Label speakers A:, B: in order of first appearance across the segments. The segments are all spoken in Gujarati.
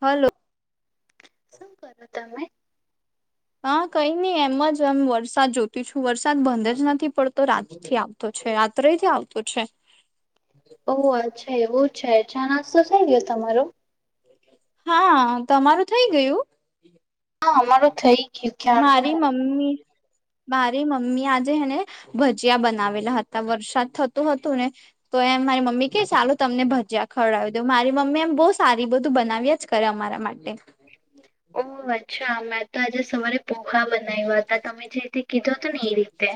A: હલો.
B: શું કરો તમે?
A: હા કંઈ ની એમ જ એમ વરસાદ જોતી છું વરસાદ બંધ જ નથી પડતો રાત થી આવતો છે રાત્રેથી આવતો છે.
B: ઓહ અચ્છા એવું છે, ચા નાસ્તો થઈ ગયો તમારો?
A: હા, તમારું થઈ ગયું?
B: હા અમારું થઈ ગયું ક્યારનો.
A: મારી મમ્મી મારી મમ્મી આજે હેને ભજીયા બનાવેલાં હતાં વરસાદ થતું હતું ને. તો એમ મારી મમ્મી કેય સારું તમને ભજીયા ખવરાવી દઉ મારી મમ્મી એમ બહુ સારી બધું બનાવ્યા જ કરે અમારા માટે.
B: ઓહ અચ્છા! મેં તો આજે સવારે પોહા બનાવ્યા હતાં તમે જે કીધું તું ને એ રીતે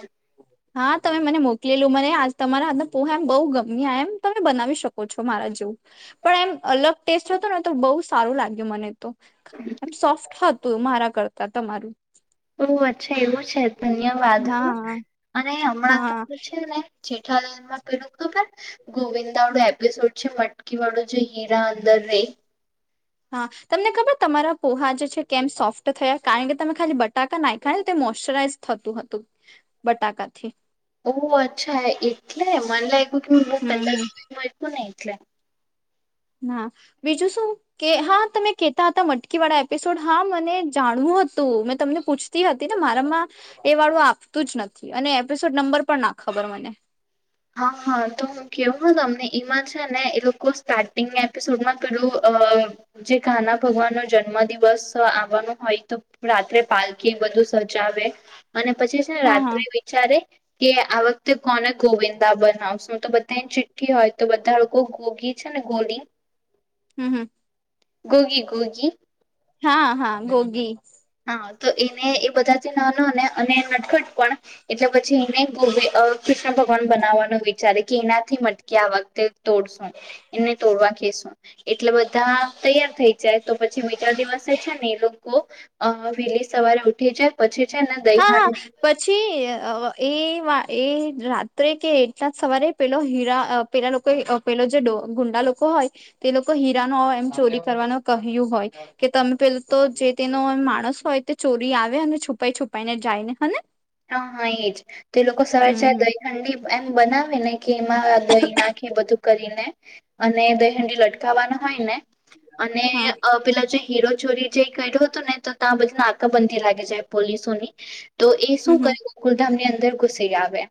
A: હા તમે મને મોકલેલુ મને આજ તમારા હાથ ના પોહા એમ બહુ ગમ્યા એમ તમે બનાવી શકો ઓછો મારા જેવું પણ એમ અલગ ટેસ્ટ હતો ને તો બહુ સારું લાગ્યું મને તો. એમ સોફ્ટ હતું મારાં કરતાં તમારું.
B: ઓહ અચ્છા એવું છે ધન્યવાદ હ
A: હા
B: અને હમણાં તો
A: હા
B: એવું છે ને જેઠાલાલમાં પેલું ખબર ગોવિંદાવાળો એપિસોડ છે મટકીવાળું જે હીરા અંદર રેય
A: હા, તમને ખબર તમારા પોહા જે છે કેમ સોફ્ટ થયાં? કારણ કે તમે ખાલી બટાકા નાયખા ને તો મોશચરાઈઝ થતું હતું બટાકા થી
B: ઓહ અચ્છા એટલે મન લાગ્યું કે હું
A: હમ
B: પંદર દિવસું ને એટલે
A: ના બીજું શું કે હા તમે કેતા હતા મટકી વાળા એપિસોડ હા મને જાણવું હતું મેં તમને પૂછ તી હતી ને મારામાં એ વાળું આપતું જ નથી અને એપિસોડ નંબર પણ ના ખબર મને
B: હા હા તો કેવું તમને ઈમાં છેને એ લોકો સ્ટાર્ટિંગના એપિસોડમાં પેલું જે કાના ભગવાન નો જન્મ દિવસ આવાનો હોય તો રાત્રે પાલકી એ બધું સજાવે અને પછી છે ને
A: હા હા
B: રાત્રે વિચારે કે આ વખતે કોને ગોવિંદ દા બનાવશું તો બધા ચિઠ્ઠી હોય તો બધા લોકો ઘોગી છે ને ગોલી
A: હમ હમ
B: ગુગી ગુગી
A: હા હા ગોગી
B: હા તો એને એ બધાથી નાનો ને અને નટખટ પણ એટલે પછી એને અ કૃષ્ણ ભગવાન બનાવવાનું વિચારે કે એનાથી મ કે આ વખતે તોડશું એને તોડવા કેશું એટલે બધા તૈયાર થઈ જાય તો પછી બીજા દિવસે છે ને લોકો અ વેલી સવારે ઊઠે છે પછી છેને
A: હા હા
B: દહીહાંડી
A: પછી એ એ રાત્રે કે એકનાથ સવારે પેલો હીરા પેલા લોકો અ પેલો જે ડો ગુંડા લોકો હોય તે લોકો હીરાનો એમ ચોરી કરવાનું કહ્યું હોય કે તમે પેલા તો જે તેનો માણસ હોય તે ચોરી આવે અને છુપાઈ છુપ પાઇ ને જાયને હેને
B: હા હા એજ તે લોકો સવાર સવાર
A: હમ
B: દહીહાંડી એમ બનાવે ને કે એમાં દહી નાખી બધું કરીને અને બે હંડી લટકાવવાની હોય ને અને
A: હા
B: પેલા જે હીરો ચોરી જેઈ કર્યો હતો ને તો ત્યાં બધી નાકાબંધી લાગી જાય પોલીસોની તો એ
A: હમ
B: શું
A: હમ
B: કર્યું કુલધામ ની અંદર ઘુસી આવે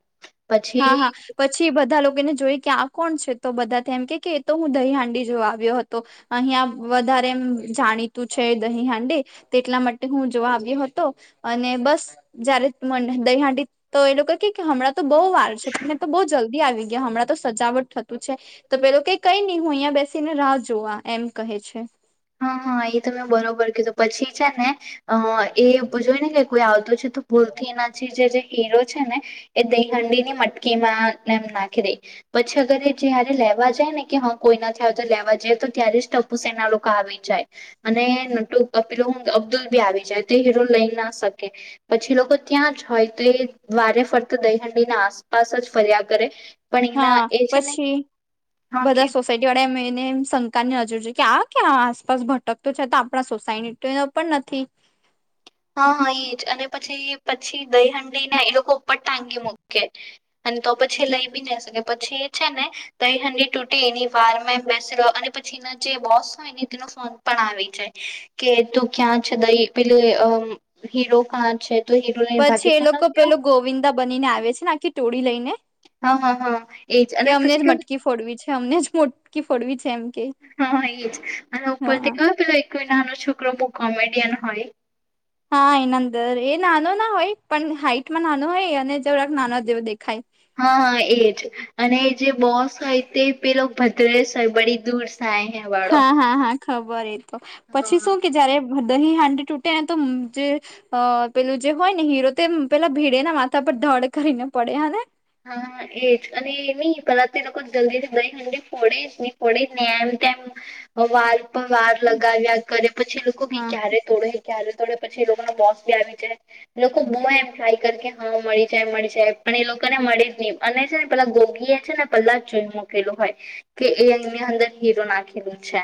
A: હા,
B: પછી
A: હા પછી બધા લોકોને જોઈ કે આ કોણ છે, તો બધા એમ કે એ તો હું દહી હાંડી જો આવ્યો હતો અહિયાં વધારે એમ જાણીતું છે, દહીં હાંડી તેટલા માટે હું જોવા આવ્યો હતો અને, બસ. જયારે મ દહીહાંટી તો એ લોકો કે હણાં તો બહુ વાર છે. તમને તો બહુ જલ્દી આવી ગયા હમણાં તો સજાવટ થતું છે, તો પેલો ક કઈ નહી હું અહિયાંયા બેસીને રાહ જોવા એમ કહે છે.
B: હા, હા એ તમે બરોબર કીધું પછી છે, ને એ જોય ને કે કોઈ આવતું છે. તો ભૂલથી નાી જે તે હીરો છે, ને એ દહંડી ની મટકી માં એમ નાખી દે પછી અગર એ જયારે લેવા જાય ને કે, હન કોઈ નથી આવતું લેવા જીએ. તો ત્યારે જ ટપુસેના લો કા આવી જાય, અને નટુ અ પીલું અબ્દુલ બી આવી જાય તે હીરો લઈ ના શકે. પછી લોકો ત્યાં જ હોય, તે દ્વારે ફરતા દહીહાંડીના આસપાસ જ ફર્યા કરે. પણ એના
A: હા,
B: એ છે ને
A: પછી
B: હા
A: બધા
B: કે
A: સો સાયટી વાળા એમ એને એમ શંકાની નજરે જોઈ કે આ કયાં આસપાસ ભટકતો છે, તો આપડા સોસાય ટીનો પણ નથી.
B: હા, હા એ જ અને પછી-પછી દહીહાંડીને એ લોકો ઉપર ટાંગી મૂકે. અન તો પછી લઈ બી ના શકે. પછી એ છે ને તો, એ હાંડી તૂટી એની વારમાં એમ બેસેલો અને પછી એના જે બોસ હોય ને તેનો ફોન પણ આવી જાય કે, તું ક્યાં છે દઈ પેલે અ હીરો કાં છે, તો હીરો લઈ
A: પછી
B: ભાગી
A: એ
B: પણ
A: લોકો
B: કેવુ
A: પેલો ગોવિંદા બનીને આવે છે, ને આખી ટોળી લઈને
B: હા, હા, હા એ જ
A: કે અમને જ મટકી ફોડવી છે, અમને જ મોટકી ફોડવી છે એમ કે.
B: હન, એ જ અન ઉપરથી
A: હા
B: કયો પેલો એક નાનો છોકરો બઉ કોમેડિયન હોય
A: હા, એન અંદર એ નાનો ના હોય, પણ હાઈટમાં નાનો હોય અને જરાક નાના જેવો દેખાય.
B: હા, હા એ જ અને જે બોસ હોય તે પેલો ભદ્રસ હોય, બડી દૂર થાય હે વા
A: હા, હા, હા ખબર એ તો, પછી શું
B: હા
A: કે જયારે દહીહાંડી તૂટે ને તો જે અ પેલું જે હોય ને હીરો તે પેલા ભીડેના માથા પર ધડ કરીને પડે હ ને.
B: હન, એ જ અને એ ની પેલા તો એ લોકો જલ્દીથી દહીહાંડી ફોડે જ ની ફોડે જ ને એમ તેમ વાર પર વાર લગાવ્યા કરે પછી એ લોકો ભી
A: હા
B: ક્યારે તોડે ક્યારે તોડે પછી, એ લોકોના બોસ ભી આવી જાય. લોકો બોય એમ ટ્રાય કર કે હન મળી જાય, મળી જાય, પણ એ લો તો એને મળી જ ની અને છે ને, પેલા ગોગી એ છે, ને પહેલા જોઈ મૂકેલું હોય કે એ એની અંદર હીરો નાખી દે છે.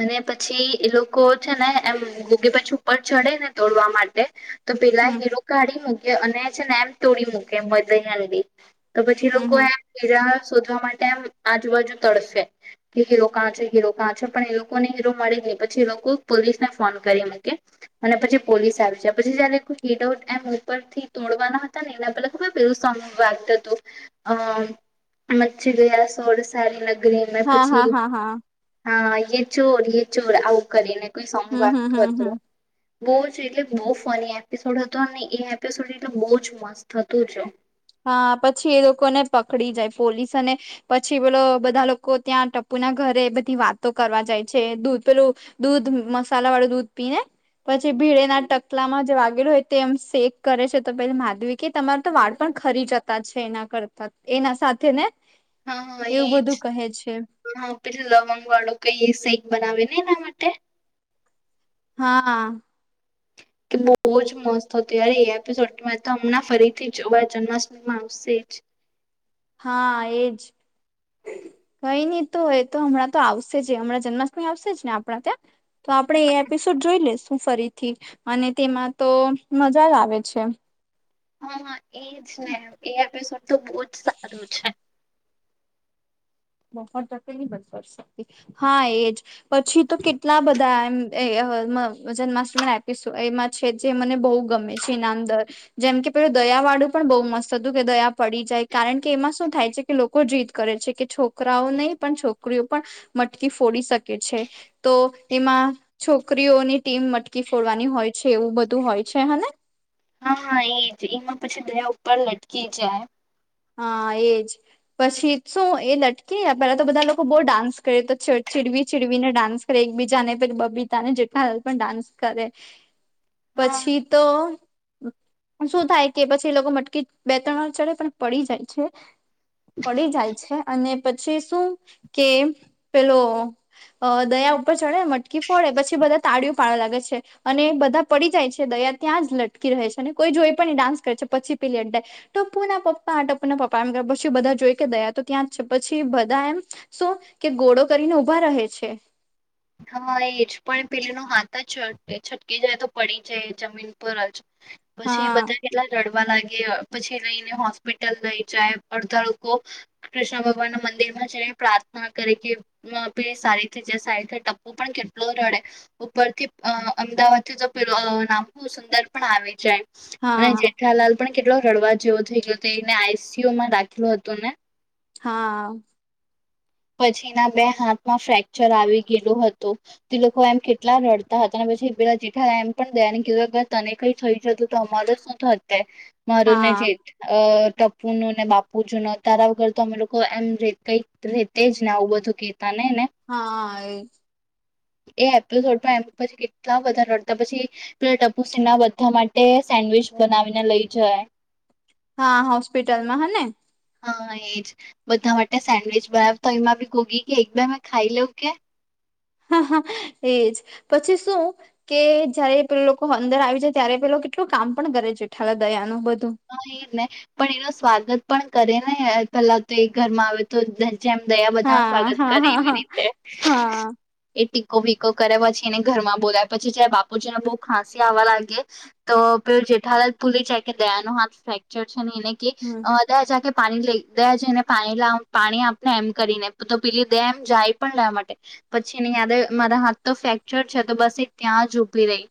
B: અને પછી એ લોકો છે, ને એમ ગોગી પછી ઉપર ચઢે ને તોડવા માટે તો પેલા
A: હમ
B: હીરો કાઢી મૂકે અને છે, ને એમ તોડી મૂકે મધ દઈહાંડી તો પછી, એ
A: હમ
B: લોકો
A: હમ
B: એમ બીજા શોધવા માટે એમ આજુબાજુ તડફે. કે હીરો કાં છે, હીરો કાં છે, પણ એ લોકોને હીરો મળી ગઈ. પછી એ લોકો પોલીસને ફોન કરી એમ કે અને પછી પોલીસ આવી છે. પછી જયારે એમ ઉપરથી તોડવાના હતા ને એના પેલા ખબર પેલું સોન્ગ વાગતું તું અ મચ ગયા શોર સારી નગરી અને
A: હા હા
B: પછી
A: હા હા
B: હન, યે ચોર યે ચોર આવું કરીને કોઈ સોન્ગ
A: હમ હમ
B: વાગતું
A: હમ
B: હતું.
A: હમ
B: બઉ જ એટલે બઉ ફની એપિસોડ હતો. અન એ એપિસોડ એટલે બઉ જ મસ્ત હતું જ.
A: હા, પછી એ લોકોને પકડી જાય પોલીસ અને પછી પેલો બધા લોકો ત્યાં ટપુના ઘરે બધી વાતો કરવા જાય છે. દૂધ પેલું દૂધ મસાલાવાળુ દૂધ પીને પછી ભીડેના ટકલામાં જ વાગેલું એ તેમ શેક કરે છે, તો પેલી માધવી કે તમાર તો વાળ પણ ખરી જતા છે, એના કરતા એના સાથેને
B: હન, હન એ જ. હન, પેલુ લવંગ વાળું કઈ એ સીંગ બનાવે ની એના માટે
A: હા.
B: કે બઉ જ મસ્ત તો ત્યારે એ એપિસોડ મે તો હમણાં ફરીથી જોવા જન્માષ્ટમીમાં આવશે જ.
A: હા, એ જ.
B: [inaudible]
A: કઈ ની તો એ તો હમણાં તો આવશે જ, હમણા જન્માષ્ટમી આવશે જ ને આપણા ત્યાં તો આપણે એ એપિસોડ જોઈ લેશું ફરીથી. અને તેમાં તો મજા જ આવે છે.
B: હા એજ ને એ એપિસોડ તો બહુ જ સારું છે
A: બ તકે ન બ શકતી હા એજ પછી તો કેટલા બધા એમ જન્માષ્ટમી ના એપિસો એમાં છે જે મને બહુ ગમે છે ઇનામદર જેમ કે પેલું દયા વાળું પણ બહુ મસ્ત હતું કે દયા પડી જાય કારણ કે એમાં શું થાય છે કે લોકો જીદ કરે છે કે છોકરાઓ નહી પણ છોકરીઓ પણ મટકી ફોડી શકે છે તો એમાં છોકરીઓની ટીમ મટકી ફોડવાની હોય છે એવું બધું હોય છે હેને
B: હા હા એ જ એમાં પછી બેયા ઉપર લટકી જાય
A: હા એજ પછી શું એ લટકી પેલા તો બધા લોકો બહુ ડાન્સ કરે તો ચીડવી ચીડવીને ડાન્સ એક બીજા ને બી તા ને જે હ પણ ડાન્સ કરે
B: [inaudible]
A: પછી તો શું થાય કે પછી એ લોકો મટકી બે ત્રણ વાર ચડે પણ પડી જાય છે પડી જાય છે અને પછી શું કે પેલો અ દયા ઉપર ચડે ને મટકી ફોડે પછી બધા તાળિયું પાડવા લાગે છે અને બધા પડી જાય છે દયા ત્યાં જ લટકી રહે છે ને કોઈ જોઈ પણ ડાન્સે છે પછી પેલી અડાય ટપ્પુ ના પપ્પા ટપરના પપ્પા એમ પછી બધા જોઈ કે ગયા તો ત્યાં પછી બધા એમ શું કે ગોળો કરીને ઉઊભા રહે છે
B: હા એજ પણ પેલેનો હાથ જ છટકી જાય તો પડી જાય જમીન પર પછી એ
A: હા
B: બધા કેટલા લડવા લાગે પછી લઈને હોસ્પિટલ લઈ જાય અડધા લોકોકો કૃષ્ણ ભગવાન ના મંદિર માં જઈને પ્રાર્થના કરે કે સારી જારી તું પણ કેટલો રડે ઉપરથી અ અમદાવાદ થી તો પ નામ સુંદર પણ આવી જાય અને
A: હા
B: જેઠાલાલ પણ કેટલો રડવા જેવો થઈ ગયો હતો એને આઈસીયુ માં રાખેલો હતો ને
A: હા
B: પછી ના બે હાથમાં ફ્રેક્ચર આવી ગયેલોું હતોું તે લોકો એમ કેટલા રડતા હતા અને પછી પેલા જેઠા એમ પણયા ને કીધું તને કઈ થઈ જતું તો અમારે ત મર
A: હા
B: જીત અ ટપુ નું ને બાપુ જોને તારા વગર તો અમે લોકો એમ કઈક તેજ ને આવું બધું કતા ને ને
A: હા એ
B: એ એપિસોડ પણ એમ પછી કેટલા વધારે રડતા પછી પ ટપુસી ના બધા માટે સેન્ડવીિચ બનાવીને લઈ જાય
A: હા હોસ્પિટલમાં હ ને
B: હા એજ બધા માટે સેન્ડવીિચ બનાવ તો એમાં બી ગોગી કે એક બે મેં ખાઈ લઉ કે
A: હા હા એજ પછી શું કે જયારે પે લોકો અંદર આવી જાય ત્યારે પેલો કેટલું કામ પણ કરે છેઠલા દયા ન બધું
B: હા એ ને પણ એનું સ્વાગત પણ કરે ને પેલા તો એક ઘર માં આવે તો. જેમ દયા બધા ન
A: હા
B: સ્વાગત
A: હા
B: કરે
A: હા
B: એવી
A: હા
B: રીતે.
A: હા
B: એ ટીકો વીકો કર્યા પછી એને ઘરમાં બોલાય પછી જયારે બાપુજીને બહુ ખાંસી આવવા લાગે. તો પે જેઠાલા જ ભૂલી જાય કે દયા ન હાથ ફ્રેક્ચર છે ને એને કે
A: હમ
B: અ દયા જાકે પાણી લેકે લઈ દે જઈને પાણી લ પાણી આપને એમ કરીને તો પીલી દે એમ જાય પણ લેવા માટે પછી એને યાદ મારા હાથ તો ફ્રેક્ચર છે તો બસ એ ત્યાં જ ઊભી રહી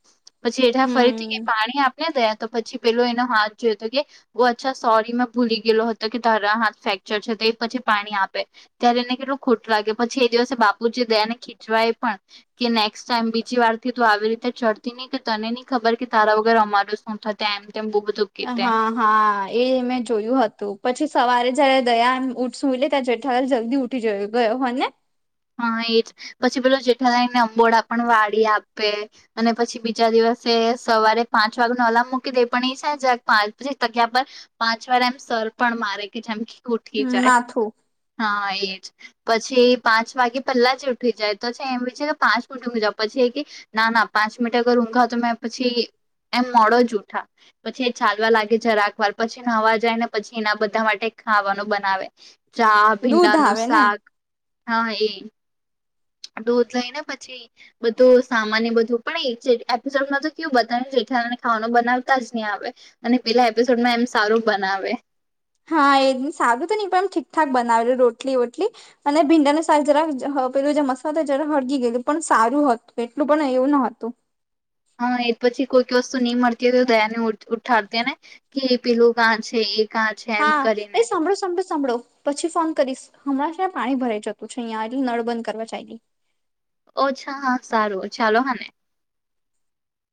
B: પછી એઠા ફરીથી
A: હમ
B: પાણી આપને થયા તો પછી પેલો એનો હાથ જોય તો કે બહ અચ્છા સોરી મેં ભૂલી ગયેલો હતો કે તારા હાથ ફ્રેક્ચર છે તો એ પછી પાણી આપે. ત્યારે એને કેટલું ખોટું લાગે પછી એ દિવસે બાપુજી દયાને ખીચવા એ પણ. કે નેક્સ્ટ ટાઈમ બીજી વાર થી તો આવી રીતે ચડતી નહી કે તને નહી ખબર કે તારા વગર અમાર મન તેમ બહુ બધું.
A: એ
B: કેતે
A: હા. હા એ મેં જોયું હતું પછી સવારે જયારે દયા ઉઠસું લે ત્યારે જેઠાલાલ જલ્દી ઉ જયો ગયો હો ને.
B: હા એ જ પછી પેલો જેઠા લઈને અંબોળ પણ વાડી આપે. અને પછી બીજા દિવસે સવારે પાંચ વાગે નો અલાર્મ મૂકી દે પણ એ છે પાંચ પછી જગ્યા પર પાંચ વાર એમ સર પણ મારે કે જેમ કે ઊઠી જાય
A: માથું
B: હા એજ પછી પાંચ. વાગે પહેલા જ ઉઠી જાય તો છે એમ છે કે પાંચ વાગી જાવ પછી એ કે ના ના પાંચ મિનટ અગર ઊંઘા તો મેં પછી એમ મોડો જ ઉઠા પછી એ ચાલવા લાગે છે રાખ વાર પછી નવા જાય ને પછી એના બધા માટે ખાવાનું બનાવે. ચા ભીંડા
A: દૂધ
B: નું
A: આવે ને
B: શાક હા એ. દૂધ લઈ ને પછી બધું સામાન્ય બધું. પણ એક છે એપિસોડમાં તો કેવું બતાવે જેઠાલાલ ખાવાનું બનાવતા જ નહી આવે. અને પેલા એપિસોડમાં એમ સારું બનાવે.
A: હા એ સાદું તો હી પણ એમ ઠીકઠાક બનાવેલ રોટલી વોટલી અને ભીંડાને શાક જરાક પેલું જે મસાલો જરા હળગી ગયેલું પણ સારું હતું એટલું પણ એવું ન હતું.
B: હા એ પછી કોઈક વસ્તુ નહી મળતી હોય તો દયા ને ઉઠાડતી ને કે પેલું કાં છે એ. કાં છે એમ
A: હા
B: કરીને
A: એ સાંભળો સાંભળો. સાંભળો પછી ફોન કરીશ હમણાં ત્યાં પાણી ભરાઈ જતું છે અહીંયા અભી નળ બંધ કરવા ચાયલી
B: ઓછા હા સારું ચાલો હા ને.